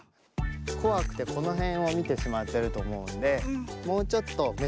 こわくてこのへんをみてしまってるとおもうのでもうちょっとめせんをとおくに。